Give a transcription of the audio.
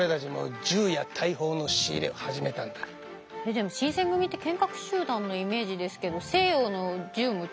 でも新選組って剣客集団のイメージですけど西洋の銃も使えるの？